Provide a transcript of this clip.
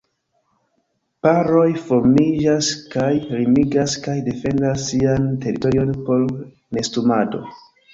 Paroj formiĝas kaj limigas kaj defendas sian teritorion por nestumado.